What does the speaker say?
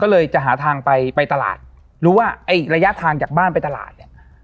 ก็เลยจะหาทางไปไปตลาดรู้ว่าไอ้ระยะทางจากบ้านไปตลาดเนี่ย